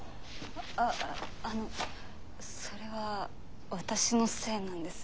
あっあのそれは私のせいなんです。